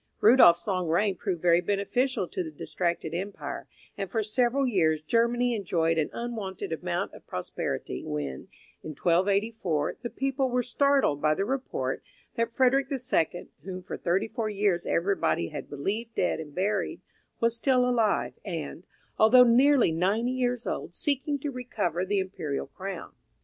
Rudolph's long reign proved very beneficial to the distracted empire, and for several years Germany enjoyed an unwonted amount of prosperity, when, in 1284, the people were startled by the report that Frederick the Second, whom for thirty four years everybody had believed dead and buried, was still alive, and, although nearly ninety years old, seeking to recover the imperial crown.